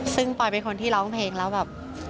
ซึ่งปอยเป็นคนที่ร้องเพลงแล้วแบบ